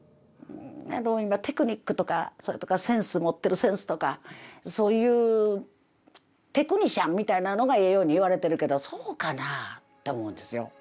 テクニックとかセンス持ってるセンスとかそういうテクニシャンみたいなのがええようにいわれてるけどそうかなあと思うんですよ。